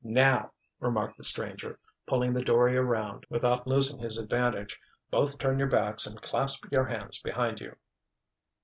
"Now!" remarked the stranger, pulling the dory around without losing his advantage, "both turn your backs and clasp your hands behind you!"